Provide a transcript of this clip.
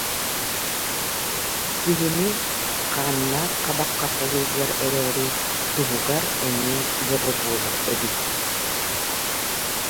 Киһини хааннаах хабахха холууллар эрээри туһугар эмиэ бөҕө буолар эбит